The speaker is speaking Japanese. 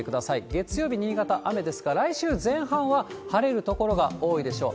月曜日、新潟雨ですが、来週前半は晴れる所が多いでしょう。